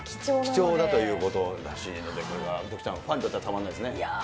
貴重だということらしいので、これは徳ちゃん、ファンにとってはたまらないですね。